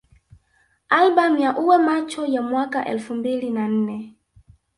Albamu ya Uwe Macho ya mwaka elfu mbili na nne